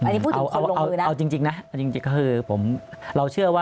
คิดว่าเอาจริงนะเอาจริงคือผมอันนี้พูดถึงคนลงมือ